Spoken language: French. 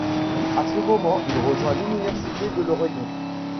À ce moment, il rejoint l'Université de l'Oregon.